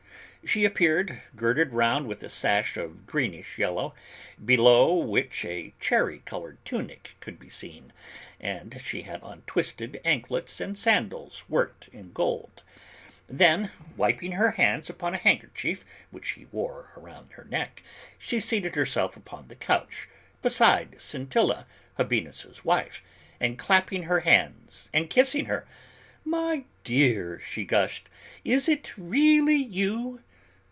She appeared, girded round with a sash of greenish yellow, below which a cherry colored tunic could be seen, and she had on twisted anklets and sandals worked in gold. Then, wiping her hands upon a handkerchief which she wore around her neck, she seated herself upon the couch, beside Scintilla, Habinnas' wife, and clapping her hands and kissing her, "My dear," she gushed, "is it really you?"